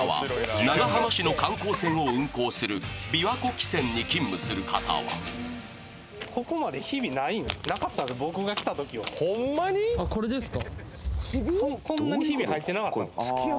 長浜市の観光船を運航する琵琶湖汽船に勤務する方はあっこれですか？